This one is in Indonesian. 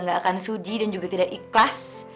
tidak akan suji dan juga tidak ikhlas